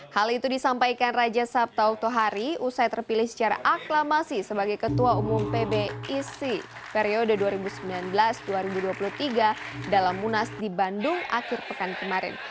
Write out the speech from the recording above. hal itu disampaikan raja sabtau tohari usai terpilih secara aklamasi sebagai ketua umum pbic periode dua ribu sembilan belas dua ribu dua puluh tiga dalam munas di bandung akhir pekan kemarin